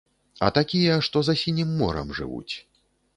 А такія, што за сінім морам жывуць.